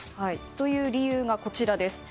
という理由がこちらです。